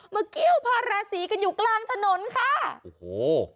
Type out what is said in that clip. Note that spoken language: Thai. มากิ้วภาระสีกันอยู่กลางถนนค่ะโอ้โห